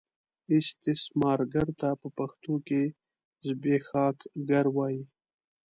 استثمارګر ته په پښتو کې زبېښاکګر وايي.